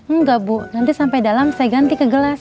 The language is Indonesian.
enggak bu nanti sampai dalam saya ganti ke gelas